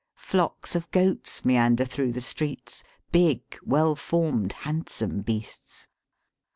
Flocks of goats meander through the streets, big, well formed, handsome beasts.